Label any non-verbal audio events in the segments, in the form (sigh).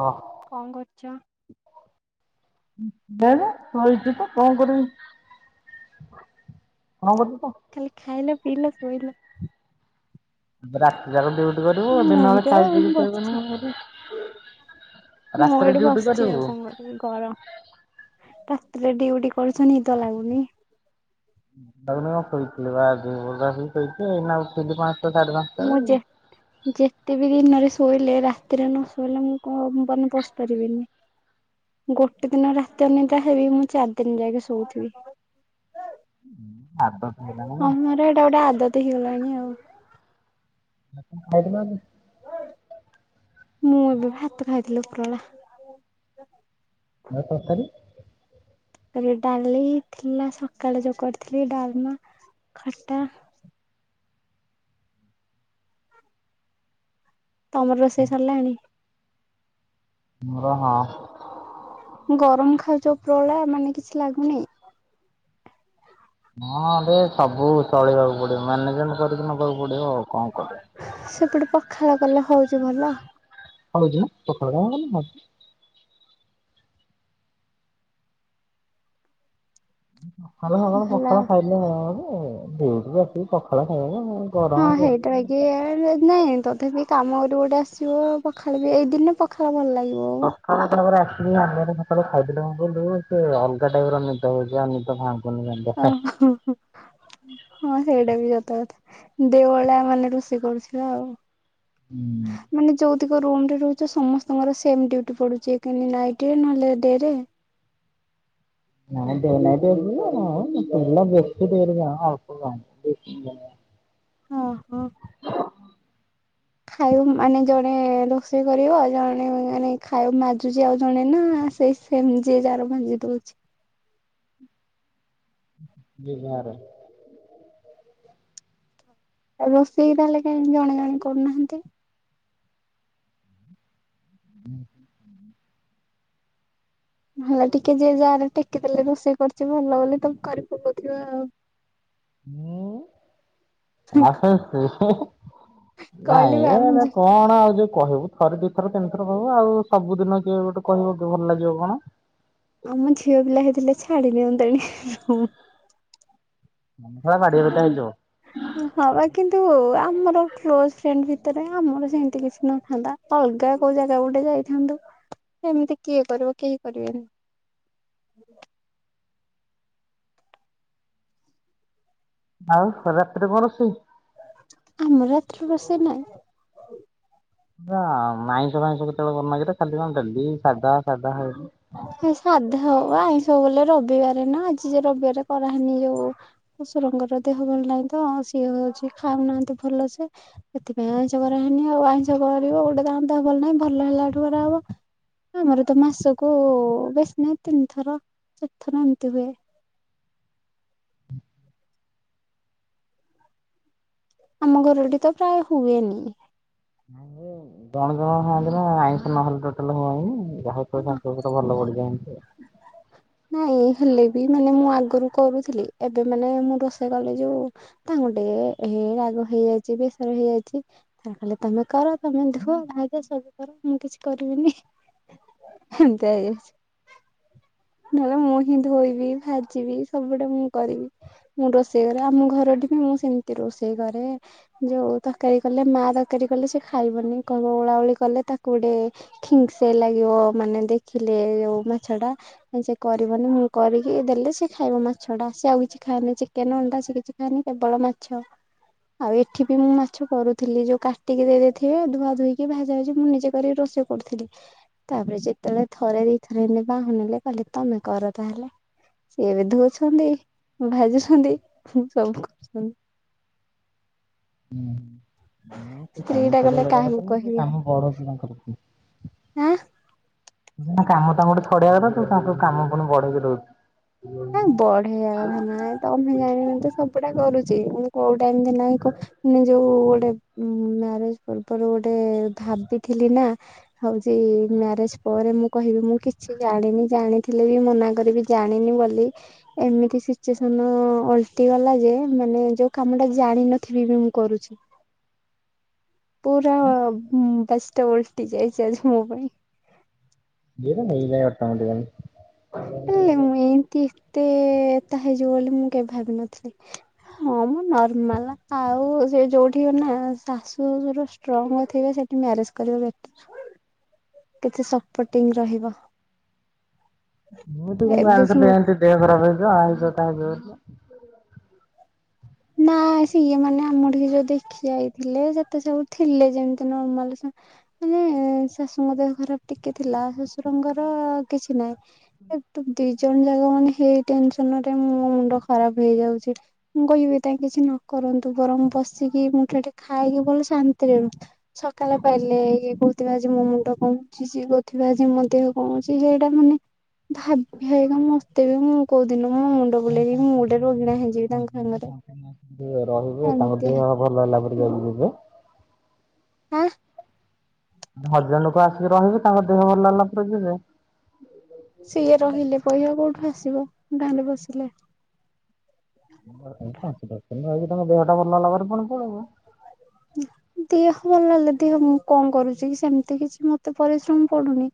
ହଁ। କଣ କରୁଛ? ସୋଇଛି ତ କଣ କରିବି? କଣ କରିବୁ କହ। କାଲି ଖାଇଲ? ପି ଲ ଶୋଇଲ। ବ ରାତି ଜାଗ ଜଉ କରିବ ମୁଁ ବି ଦିନବେଳେ ତ ଖାଇିକିିରି ସୋଇବିନି ବସିଛି। କଣ କରିବି? (inaudible) ମୁଁ ଏଇଠି ବସିଛି ଆଉ କଣ କରିବି ଗରମ ରେଡି ଉଡି କରୁଛି ନିଦ ଲାଗୁନି ଭଗଣୀ କହିଥିଲି ବା ଦର୍ଗ କହିଥିଲଇଉ ଖି ପା ମୁଁ ଯେ ଯେତେ ବିି ଦିନରେ ଶୋଇଲେ ରାତିରେ ନ ଶୋଇଲେ ମୁଁ କଣ ମାନ ପଶିପାରିବିନି ଗୋଟେ ଦିନ ରାତି ଅନିଦ୍ରା ହେଲେ ମୁଁ ଚାରି ଦିନ ଯାଇକି ଶୋଇଥିବି। ହୁଁ। ହଁ ମୋର ଏଟା ଗୋଟେ ଆଦତ୍ ହେଇଗଲାଣି ଆଉ ଆପଣ ଖାଇସାରିଲେଣି ମୁଁ ଏବେ ଭାତ ଖାଇଥିଲି ଉପରବେଳା। ଆଉ ତରକାରୀ ତାପରେ ଡାଲି ଥିଲା ସକାଳେ ଯୋଉ କରିଥିଲି ଡାଲି ଖଟା ତମର ରୋଷେଇ ସରିଲାଣି। ମୋର ହଁ। (inaudible) ଗରମ ଖାଉଚ ପ୍ରଳା ମାନେ କିଛି ଲାଗୁନିଁ। ହଁରେ ସବୁ ଚଳେଇବାକୁ ପଡିବ ମ୍ୟାନେଜମେଣ୍ଟ କରିକି ନବାକୁ ପଡିବ ଆଉ କଣ କର ସେପଟେ ପଖାଳ କଲେ ହଉଛି ଭଲ? ଖରା ଦିନ ପଖାଳ (unintelligible) ସକାଳୁ ସକାଳୁ ଭଲ ପଖାଳ ଖାଇଲେ ହବ (unintelligible) ଆସିବି ପଖାଳ ଖାଇବାନା। ହଁ ହେଇଟା (unintelligible) ନାଇଁ ତଥାପି କାମ କରିବ ଗୋଟେ ଆସିବ ପଖାଳ ବି ଏଇ ଦିନେ ପଖାଳେ ଭଲ ଲାଗେ। (unintelligible) ଅ ସକାଳୁ ଖାଇଥିଲୁ ସେ ଅଲଗା ଟାଇପ ର ନିଦ ହେଉଛି ଆ ନିଦ ଖାନ୍ତି। ଓ ହୋ (inaudible) ହଁ ହେ ଯଥା ଦେ ଭଳିଆ ମାନେ ରୋଷେଇ କରୁଥିଲା ଆଉ। ହୁଁ। ମାନେ ରହୁଛ ସମସ୍ତଙ୍କର ସେ ଡଟି ପୁଛି ନାଇଟ ରେ ନହଲେ ଡେରେ ନାାଇ ଦୋଇ ବେଶ ଆ ହଁ ହୋ ଖାଇବ ମାନେ ଜଣେ ରୋଷେଇ କରିବ। ଜଣେ ମାନେ ଖାଉ ମାଜୁଛି ଆଉ ଜଣେ ନା ସେଇ ସେମତି ଯିଏ ଯାର ଭାଜି ଦଉଛି। (inaudible) ବିହାର। (inaudible) ରୋଷେଇ ତାହେଲେ କାହିଁକି ଜଣେ ଜଣେ କରୁନାହାନ୍ତି। (unintelligible) ଭଲ ଟିକେ ଯିଏ ଯାରେ ଟେକିଦେଲେ। ରୋଷେଇ କରିଛି ଭଲ ବୋଲି ତମେ କରି ପଉଥିବ ଆଉ। ମୁଁ। ଆ କହିଲି ବା ନାଇଁ ଆମ ଏ ଝି କଣ ଆଉ ଯୋଉ କହିବୁ ଥରେ ଦି ଥର ତିନିଥର କହିବୁ। ଆଉ ସବୁଦିନ କିଏ ଗୋଟେ କହିବ ଭଲ ଲାଗିବ କଣ। ଛାଡ଼ି ଦିଅନ୍ତାଣି। ହଁ ବା (unintelligible) କିନ୍ତୁ ଆମର କ୍ଲୋଜ ଫ୍ରେଣ୍ଡ ଭିତରେ ଆମର ସେମିତି କିଛି ନଥାନ୍ତା। ଅଲଗା କୋଉ ଜାଗା ଗୋଟେ ଯାଇଥାନ୍ତୁ। ଏମିତି କିଏ କରିବ କେହି କରିବେନି। (inaudible) ଆଉ ରାତିରେ କଣ ରୋଷେଇ। ଆମରତ୍ର ବସେ ନାଇଁ। (inaudible) ଆଇଁଷ ଫାଇଁଷ କେତେବେଳେ ଗାଗା ଖାଲି କଣ ଦେଡଲି ସାଢଧା ସାଢଧା ହେଇି ଏଇ ସାଧା। ହଉ ଆଇଁଷ ବଲେ ରବିବାର ନା ଆଜି ଯେ ରବିବାର କରାହେଇନି। ଯୋଉ ଶଶୁରଙ୍କର ଦେହ ଭଲ ନାହିଁ ତ ସିଏ ହଉଛି ଖାଉନାହାନ୍ତି। ଭଲ ସେ ସେଥିପାଇଁ ଆଇଁଷ କରାହେଇନି। ଆଉ ଆଇଁଷ କରିବ ଗୋଟେ ଦେହ ଭଲ ନାହିଁ। ଭଲ ହେଲାଠୁ କରାହବ। ଆମର ତ ମାସ କୋ ବେଶୀ ନାହିଁ ତିନି ଥର ଚାରି ଥର ଏମିତି ହୁଏ। (inaudible) ଆମ ଘରଟି ତ ପ୍ରାୟ ହୁଏନି। ନାଇଁ ଜଣେ ଜଣ ଖାଆନ୍ତିନି ଆଇଁଷ ନହେଲେ ଟୋଟାଲ (unintelligible) (unintelligible) ନାଇଁ ହେଲେ ବି ମାନେ ମୁଁ ଆଗରୁ କରୁଥିଲି। ଏବେ ମାନେ ମୁଁ ରୋଷେଇ କଲି ଯୋଉ ତାଙ୍କୁ ଟିକେ ଏ ରାଗ ହେଇଯାଇଛି ବେସର ହେଇଯାଇଛି। ତା କଲେ ତମେ କର ତମେ ଦୁହ ଭାଙ୍ଗ ସବୁ କର ମୁଁ କିଛି କରିବିନି। (unintelligible) ନହେଲେ ମୁଁ ହିଁ ଧୋଇବି ଭାଜିବି ସବୁଆଡେ ମୁଁ କରିବି। ମୁଁ ରୋଷେଇ କରେ ଆମ ଘରଟି ବି ମୁଁ ସେମିତି ରୋଷେଇ କରେ ଯୋଉ ତରକାରୀ କଲେ ମା ତରକାରୀ କଲେ ସେ ଖାଇବନି। କଣ ଓଳାଉଳି କଲେ ତାକୁ ଗୋଟେ ଖିଙ୍ଗସ ଲାଗିବ। ମାନେ ଦେଖିଲେ ଯୋଉ ମାଛ ଟା। ସେ କରିବନି ମୁଁ କରିକି ଦେଲେ ସେ ଖାଇବ ମାଛ ଟା। ସେ ଆଉ କିଛି ଖାଏନି ଚିକେନ ଅଣ୍ଡା ସେ କିଛି ଖାଏନି କେବଳ ମାଛ ଆଉ ଏଠି ବି ମୁଁ ମାଛ କରୁଥିଲି। ଯୋଉ କାଟିକି ଦେଇଦେଇଥିବେ ଧୁଆ ଧୋଇକି ଭାଜା ଭାଜି ମୁଁ ନିଜେ କରିକି ରୋଷେଇ କରୁଥିଲି। ତାପରେ ଯେତେବେଳେ ଥରେ ଦିଇ ଥର ଲେଖା ବାହୁନିଲେ କହିଲେ ତମେ କର ତାହେଲେ ସିଏବେ ଧଉଛନ୍ତି ଭାଜୁଛନ୍ତି ସବୁ କରୁଛନ୍ତି। (inaudible) ହୁଁ। (unintelligible) ତା ସ୍ତ୍ରୀ ଗୋଟେ ଟା ଗଲେ ଛଡେଇବା କାହାକୁ କହିବେ ଆଁ ତୁ ତାଙ୍କ କାମ ପୁଣି ବଢେଇକି ଦୋଉଚୁ। ବଢିଆ ଜାଗା ହେ ନାଇଁ ତମେ ଜାଣିନ ତ ସବୁଟା କରୁଛ। ମୁଁ କୋଉଠି ନକେ ଯୋଉ ମ୍ୟାରେଜ ପୂର୍ବରୁ ଗୋଟେ ଭାବିଥିଲି ନା ହଉଛି ମ୍ୟାରେଜ ପରେ ମୁଁ କହିବି ମୁଁ କିଛି ଜାଣିନି ଜାଣିଥିଲେ ବି ମନା କରିବି ଜାଣିନି ବୋଲି। ଏମିତି ସିଚୁଏସନ ଅଲଟିଗଲା ଯେ ମାନେ ଯୋଉ କାମ ଟା ଜାଣିିନଥିବି ବି ମୁଁ କରୁଛି ପୁର ବ ତ ଓଲଟି ଯାଇଛି ଆଜି ମୋ ପାଇଁ। ଏଇ ନେଇ ଯ ଅୋଟାାମୋଟି ଏଲେ ମୁ ଏତି ମତେ ତା ହେଇଯିବ ବୋଲି ମୁଁ କେବେ ଭାବିନଥିଲି ହଁ ମୁଁ ନର୍ମାଲ ଆଉ ସେ ଯୋଉଠି ନା ଶାଶୁ ଘର ଷ୍ଟ୍ରଙ୍ଗ ଥିବ ସେଠି ମ୍ୟାରେଜ କର କିଛି ସପୋର୍ଟିଂ ରହିବ ମୁଁତି ଏବେ କେମିତି ସେ ମତେ ଜାଣିଥାନ୍ତି ଦେହ ଖରପ ହଉଛି ଆଇଁସ ଖାଇଦଉଛୁ। ନାଆ ସିଏ ମାନେ ଆମ ଟିକେ ଯୋଉ ଦେଖି ଯାଇଥିଲେ ସେତେ ସବୁ ଥିଲେ ଯେମିତି ନର୍ମାଲ ମାନେ ଶାଶୁଙ୍କ ଦେହ ଖରାପ ଟିକେ ଥିଲା ଶାଶୁ ରଙ୍ଗର କିଛି ନାହିଁ ଦି ଜଣ ଯାାଗ ମାନେ ହେଇ ଟେନସନ ରେ ମୋ ମୁଣ୍ଡ ଖରାପ ହେଇଯାଉଛି ମୁଁ କହିବି। ତ କିଛି ନ କରନ୍ତୁ ବରଂ ବସିକି ମୁଠାଟେ ଖାଇକି ଭଲ ଶାନ୍ତିରେ ସକାଳେ ପାଇଲେ ଇଏ କହୁଥିବେ ଆଜି ମୋ ମୁଣ୍ଡ କଣ ହଉଛି ସିଏ କହୁଥିବା ଆଜି ମୋ ଦେହ କଣ ହଉଛି ସେଇଟା ମାନେ ଭାବି ଭାବିକା ମତେ ବି ମୁଁ କୋଉ ଦିନ ମୋ ମୁଣ୍ଡ ବୁଲେଇକି ମୁଁ ଗୋଟେ ରୋଗିଣା ହେଇଯିବି ତାଙ୍କ ସାଙ୍ଗରେ। (inaudible) ଯିଏ ରହିବେ ତାଙ୍କ ଏମିତି ଦେହ ଭଲ (unintelligible) ହା ହଜାର ଲୋକ ଆସିକି ରହିବେ ତାଙ୍କ ଦେହ ଭଲ ହେଲା ପରେ ଯିବେ ସିଏ ରହିଲେ ପହିୟା କୋଉଠୁ ଆସ ଯିବ ଗାଁରେ ବସିଲେ ପାଞ୍ଚ ଦଶମିନିଟ ଲାଗେ (inaudible) ତମ ଦେହ ଟା ଭଲ ହେଲାପରେ ଫୁଣି ପଳେଇବ ଦିହ ଭଲ ଲାଗିଲେ ଦିହ ମୁଁ କଣ କରୁଛି କି ସେମିତି କିଛି ମତେ ପରିଶ୍ରମ ପଡୁନି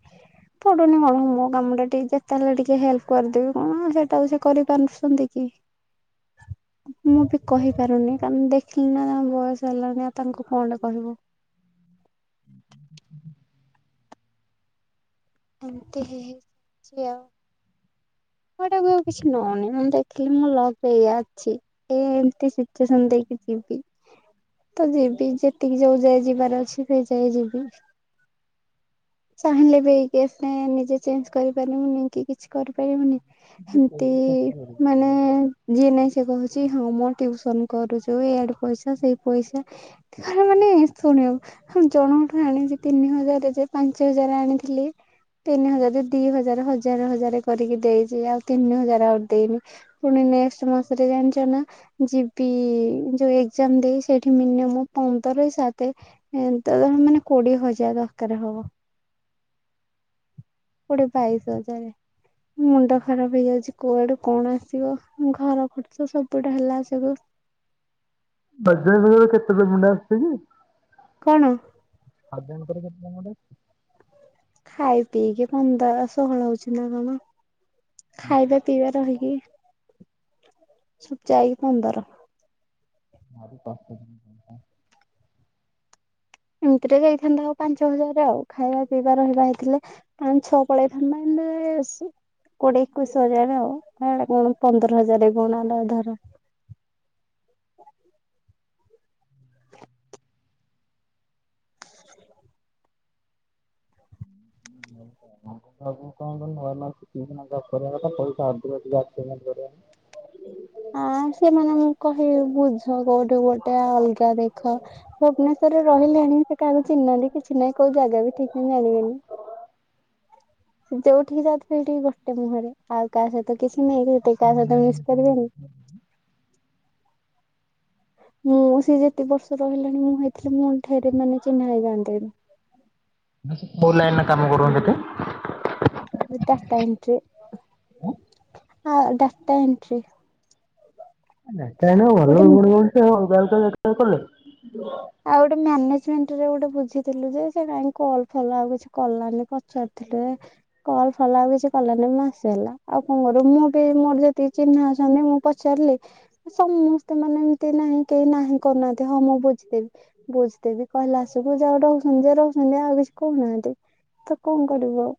ପଡୁନି କଣ ମୋ କାମ ଟା ଟିକେ ଯେତେ ହେଲେ ଟିକେ ହେଲ୍ପ କରିଦେବି କଣ ସେଟା ସେ କରିପାରୁଛନ୍ତି କି ମୁଁ ବି କହିପାରୁନି କାରଣ ଦେଖିଲି ନା ତାଙ୍କ ବୟସ ହେଲାଣି। ନା ତାଙ୍କୁ କଣଟେ କହିବୁ ଏମତି ହେଉଛି ଆଉ କଟାକୁ ଆଉ କିଛି ନଉନି ମୁଁ ଦେଖିଲି ମୁଁ ଲକ୍ ଏଇଆ ଅଛି ଏ ଏମତି ସିଚୁଏସନ ଦେଇକି ଯିବି ତ ଯିବି ଯେତିକି ଯୋଉ ଯାଇ ଯିବାର ଅଛି ସେ ଯାଇ ଯିବି ଚାହିଁଲେ ବି ନିଜେ ଚେଞ୍ଜ କରିପାରିବୁନି କି କିଛି କରିପାରିବୁନି ଏମତି ପଳେଇବେ। ମାନେ ଯିଏ ନହିଁ ସେ କହୁଛି। ଜି ହଁ ମୁଁ ଟ୍ୟଉସନ କରୁଛୁ ଏଆଡେ ପଇସା ସେଇ ପଇସା ମାନେ ଶୁଣିବ ଜଣଙ୍କଠୁ ଆଣିଛି ତିନି ହଜାର ଯେ ପାଞ୍ଚ ହଜାର ଆଣିଥିଲି ତିନି ହଜାର ଦି ହଜାର ହଜାର ହଜାର କରିକି ଦେଇଛି ଆଉ ତିନି ହଜାର ଆହୁରି ଦେଇନି ପୁଣି ନେଷ୍ଟ ମାସରେ ଜାଣିଛ ନା ଯିବି ଯୋଉ ଏକଜାମ୍ ଦେଇ ସେଇଠି ମିନିୟମ ପନ୍ଦର ସାତ ଏ ମାନେ କୋଡିଏ ହଜାର ଦରକାର ହବ। କୋଡିଏ ବାଇଶ ହଜାର ମୁଣ୍ଡ ଖରାପ ହେଇଯାଉଛି କୁଆଡକୁ କଣ ଆସିବ ଘର ଖର୍ଚ୍ଚ ସବୁଡା ହେଲା ସବୁ ବାଜାଜ ରେ ଆଉ କେତେ ପ୍ରେମେଣ୍ଟ ଆସୁଛି କି କଣ ଆାତ ଦିନ ପରେ କେ (inaudible) ଡ (inaudible) ଖାଇ ପିଇକି ପନ୍ଦର ଷହଳ ହଉଛି ନା କଣ ଖାଇବା ପିଇବା ରହିକି ଜାଇ ପନ୍ଦର। ଆ ପା (unintelligible) ଏମିତିରେ ଯାଇଥାନ୍ତା ଆଉ ପାଞ୍ଚ ହଜାର ଆଉ ଖାଇବା ପିଇବା ରହିବା ହେଇଥିଲେ କ ଛଅ ପଳେଇଥାନ୍ତା ଏତି କୋଡିଏ ଏକୋଇଶ ହଜାର ଆଉ କଣ ପନ୍ଦର ହଜାର କଣ ଧର। ବାବୁ କଣ କରୁ ନ ଦ କଥା ପଇସା କରିବା। (unintelligible) ହଁ ସେମାନେ ମୁଁ କହିବି ବୁଝ କୋଉଠୁ ଗୋଟେ ଅଲଗା ଦେଖ ଭୁବନେଶ୍ୱରରେ ରହିଲେଣି ସେ କାହାକୁ ଚିହ୍ନି ନାହାନ୍ତି କିଛି ନାହିଁ କୋଉ ଜାଗା ବି ଠିକ ନାହିଁ ଜାଣିବେନି ଯୋଉଠିକ ଯ ସେଇଠି ଗୋଟେ ମୁହଁରେ ଆଉ କାସହିତ କିଛି ନେଇିଟୋ ସହିତ ମିଶପାରିବେନି। ମୁଁ ସେିଏ ଯେତେ ବର୍ଷ ରହିଲାଣି ମୁଁ ହେଇଥିଲି ମୋ ଠେରେ ମାନେ ଚିହ୍ନା ହେଇ ଓ ଲାଇ କାମ କରନ୍ତି ଏଠି ଡାଟ ଏଣ୍ଟି ଆ ଡାଟା ଏଣ୍ଟି। ନଟଲ ଗୁଣ (inaudible) (unintelligible) ଆଉ ଗୋଟେ ମ୍ୟାନେଜମେଣ୍ଟରେ ଗୋଟେ ବୁଝିଥିଲୁ ଯେ ସେ କାହିଁକ କଲ ଫଲ ଆଉ କିଛି କଲାନି ପଚାରିଥିଲୁ କଲ ଫଲ ଆଉ କିଛି କଲାନି ମୁଁ ଆସିଗଲା ଆଉ କଣ କରିବ ମୁଁ ବି ମୋର ଯେତିକି ଚିହ୍ନା ଅଛନ୍ତି ମୁଁ ପଚାରିଲି ସମସ୍ତେ ମାନେ ଏମିତି ନାହିଁ କେହି ନାହିଁ କରୁନାହାନ୍ତି ହଁ ମୁଁ ବୁଝ ବ ବୁଝିଦେବି କହିଲେ ଆସିବୁ ଯାଉ ରହୁଛନ୍ତି ଯେ ରହୁଛନ୍ତି ଆଉ କିଛି କହୁନାହାନ୍ତି ତ କଣ କରିବୁ ଆଉ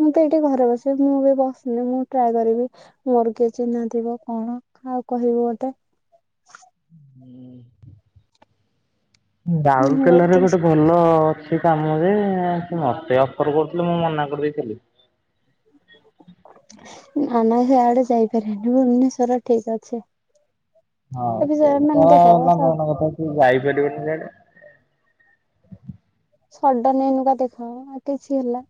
ମୁଁ ତ ଏଇଠି ଘରେ ବସିବି ମୁଁ ବି ବସିନି ମୁଁ ଟ୍ରାଏ କରିବି ମୋର କିଏ ଚିହ୍ନା ଥିବ କଣ ଆଉ କହିବୁ ଗୋଟେ। ହୁଁ। (inaudible) ହୁଁ ରାଉରକେଲାରେ ଏତିକି ଗୋଟେ ଭଲ ଅଛି କାମରେ ମତେ ଅଫର କରୁଥିଲ ମୁଁ ମନା କରିଦେଇଥିଲି। ନ ନା ସେଆଡେ ଯାଇପାରନି ଭୁବନେଶ୍ଵର ଠିକ ଅଛି। ହଁ ଏବେ ସେ ମାନେ ଦେଖ ତ ହେଲା କଥା ଯାଇପାରିବୁନି ସେଆଡେ ସଡନ ଏନୁକା ଦେଖା ଆଉ କିଛି ହେଲା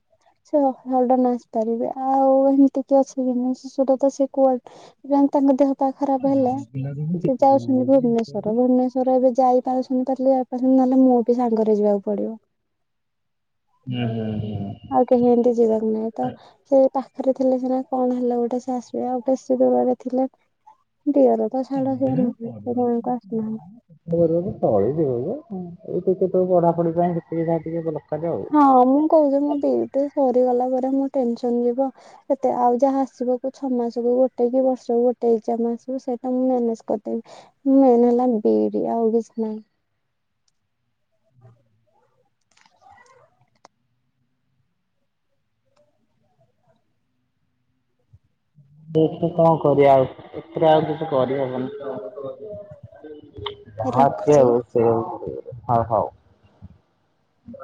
ସେ ସଡନ ଆସିପାରିବେ ଆଉ ଏମିତି କି ଅସୁବ ନାହିଁ ଶିଶୁର ତ ସେ କୁଆଡ ତାଙ୍କ ଦେହ ପା ଖରାପ ହେଲେ ସେ ଯାଉଛନ୍ତି ଭୁବନେଶ୍ଵର ଭୁବନେଶ୍ଵର ଏବେ ଯାଇ ଶୁଣି ପାରିଲି ଯପ ନହେଲେ ମୁଁ ବି ସାଙ୍ଗରେ ଯିବାକୁ ପଡିବ। ଆଉ କେହି ଏମତି ଯିବାକୁ ନାହିଁ ତ ସେ ପାଖରେ ଥିଲେ ସନା କଣ ହେଲା ଗୋଟେ ସେ ଆସିବ ଗୋଟେ ସେ ଦରେ ଥିଲା। ତଳିେଇ ଦ ଏ ଆସୁନାହାନ୍ତି। ଟିକେ ତୋ ପଢାପଢି ପାଇଁ ସେତିକି ଯା ଟିକେ ଭଲ। ହଁ ମୁଁ କହୁଛି ମୋ ବିଇଟେ ସରିଗଲା ପରେ। ଟେନସନ ଯିବ ଏତେ ଆଉ ଯାହା ଆସିବ କ ଛଅ ମାସକୁୁ ଗୋଟେ କି ବର୍ଷକୁ ଗୋଟେଇ ଏକ୍ଜାମ ସେଇଟା ମୁଁ ମ୍ୟାନେଜ କରିଦେବି ମେନ୍ ହେଲା ବିଡି ଆଉ କିଛି ନାହିଁ। ବହୁ କଣ କରିବା ଆଉ ଏଥିରେ ଆଉ କିଛି କରିହବନି। ହଁ ଅଛି ରଖୁଛି। ଆଉ (inaudible) ହଉ ହଉ।